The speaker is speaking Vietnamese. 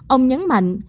ông nhấn mạnh